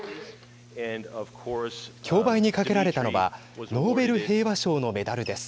競売にかけられたのはノーベル平和賞のメダルです。